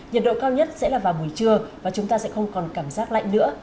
nhiệt độ cao nhất sẽ là vào buổi trưa và chúng ta sẽ không còn cảm giác lạnh nữa